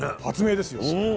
発明ですよ。